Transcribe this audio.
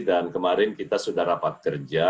dan kemarin kita sudah rapat kerja